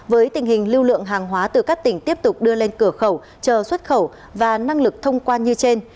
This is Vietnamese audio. với tình hình lưu lượng hàng hóa từ các tỉnh tiếp tục đưa lên cửa khẩu chờ xuất khẩu và năng lực thông quan như trên